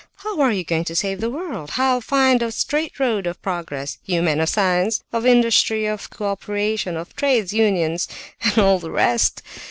How are you going to save the world? How find a straight road of progress, you men of science, of industry, of cooperation, of trades unions, and all the rest?